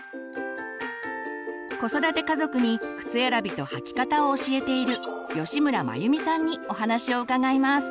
子育て家族に靴選びと履き方を教えている吉村眞由美さんにお話を伺います。